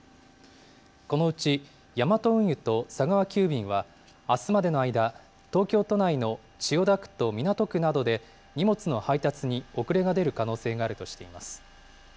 このうち、ヤマト運輸と佐川急便は、あすまでの間、東京都内の千代田区と港区などで、荷物の配達に遅れが出る可能性があるとしています。